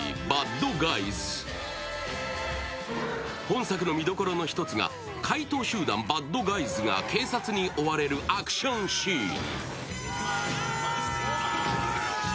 本作の見どころの一つが怪盗集団バッドガイズが警察に追われるアクションシーン。